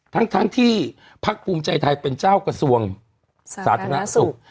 ทั้งที่พักภูมิใจไทยเป็นเจ้ากระทรวงสาธารณสุข